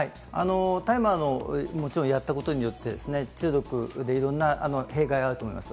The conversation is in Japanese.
大麻をやったことによって、中毒でいろんな弊害があると思います。